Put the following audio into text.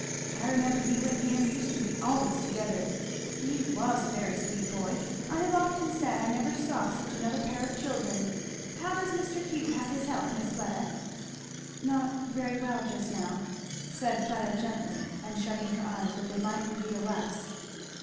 I remember you and him used to be always together he was a very sweet boy! I have often said I never saw such another pair of children. How does Mr. Hugh have his health, Miss Fleda?" "Not very well, just now," said Fleda gently, and shutting her eyes that they might reveal less.